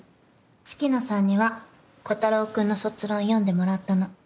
月野さんには炬太郎くんの卒論読んでもらったの。